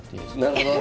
なるほど。